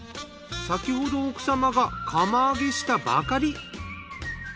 先ほど奥様が釜揚げしたばかり。